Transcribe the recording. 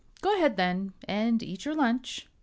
"Go ahead, then, and eat your lunch."